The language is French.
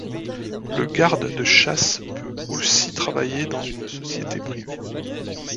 Le garde de chasse peut aussi travailler dans une société privée.